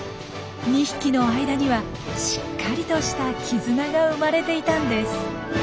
２匹の間にはしっかりとした絆が生まれていたんです。